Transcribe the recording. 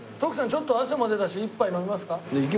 ちょっと汗も出たし一杯飲みますか？